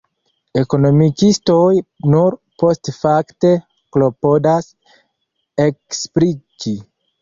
Ekonomikistoj nur postfakte klopodas ekspliki.